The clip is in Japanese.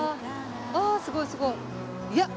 ああすごいすごい。